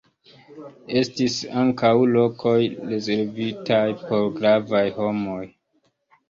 Estis ankaŭ lokoj rezervitaj por gravaj homoj.